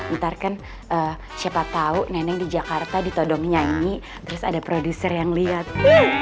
ntar kan siapa tahu neneng di jakarta ditodong nyanyi terus ada produser yang lihat